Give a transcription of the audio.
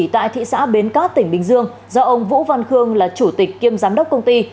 tại thị xã bến cát tỉnh bình dương do ông vũ văn khương là chủ tịch kiêm giám đốc công ty